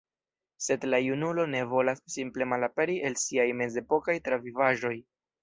Sed la junulo ne volas simple malaperi el siaj mezepokaj travivaĵoj.